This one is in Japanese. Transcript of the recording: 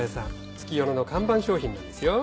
月夜野の看板商品なんですよ。